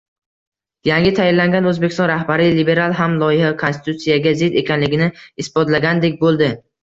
Yangi tayinlangan O'zbekiston rahbari Liberal ham loyiha Konstitutsiyaga zid ekanligini isbotlagandek bo'ldi